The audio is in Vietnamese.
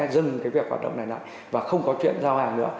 dừng cái việc hoạt động này lại và không có chuyện giao hàng nữa